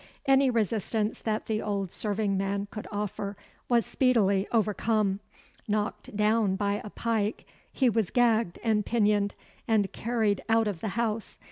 Any resistance that the old serving man could offer was speedily overcome. Knocked down by a pike, he was gagged and pinioned, and carried out of the house.